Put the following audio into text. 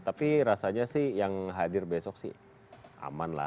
tapi rasanya sih yang hadir besok sih aman lah